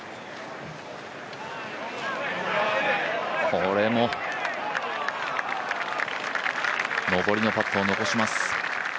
これも、上りのパットを残します。